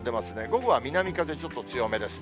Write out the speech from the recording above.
午後は南風ちょっと強めです。